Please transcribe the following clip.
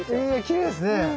きれいですね。